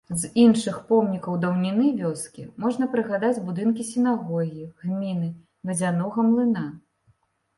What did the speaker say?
З іншых помнікаў даўніны вёскі можна прыгадаць будынкі сінагогі, гміны, вадзянога млына.